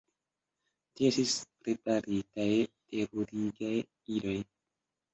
Tie estis preparitaj terurigaj iloj.